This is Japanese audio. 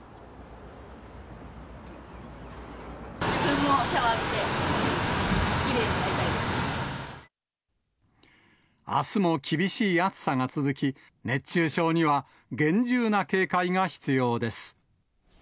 自分もシャワーを浴びて、きれいあすも厳しい暑さが続き、熱中症には厳重な警戒が必要です。